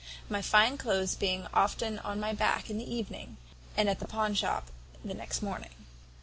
My fine clothes being often on my back in the evening, and at the pawn shop the next morning.